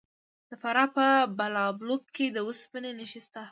د فراه په بالابلوک کې د وسپنې نښې شته.